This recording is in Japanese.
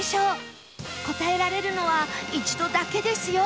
答えられるのは一度だけですよ